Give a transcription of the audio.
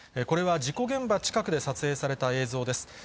これは事故現場近くで撮影された映像です。